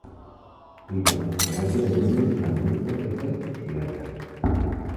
Pri la infanaĝo de Nunes malmulto estas sciata.